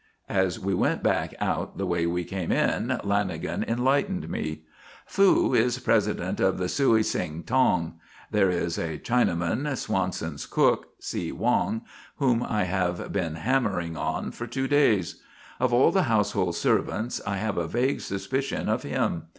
As we went back out the way we came in, Lanagan enlightened me. "Fu is president of the Suey Sing Tong. There is a Chinaman, Swanson's cook, See Wong, whom I have been hammering on for two days. Of all the household servants, I have a vague suspicion of him.